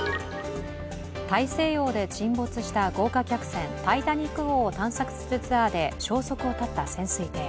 大西洋で沈没した豪華客船「タイタニック」号を探索するツアーで消息を絶った潜水艇。